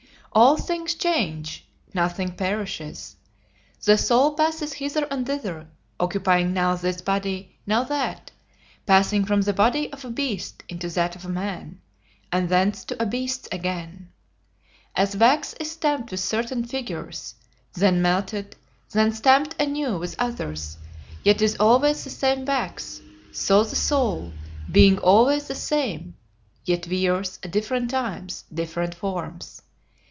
All things change, nothing perishes. The soul passes hither and thither, occupying now this body, now that, passing from the body of a beast into that of a man, and thence to a beast's again. As wax is stamped with certain figures, then melted, then stamped anew with others, yet is always the same wax, so the soul, being always the same, yet wears, at different times, different forms.